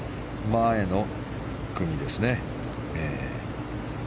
前の組ですね。